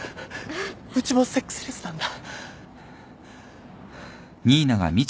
うちもセックスレスなんだ。